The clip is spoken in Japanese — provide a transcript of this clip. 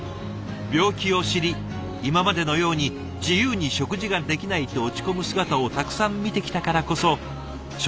「病気を知り今までのように自由に食事ができないと落ち込む姿をたくさん見てきたからこそ食事を諦めないでほしい。